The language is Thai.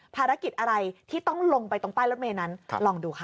ภารกิจอะไรที่ต้องลงไปตรงป้ายรถเมย์นั้นลองดูค่ะ